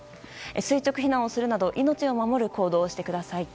垂直避難するなど命を守る行動をしてください。